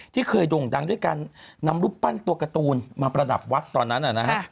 ที่เคยด่งดังด้วยการนำรูปปั้นตัวการ์ตูนมาประดับวัดตอนนั้นนะฮะ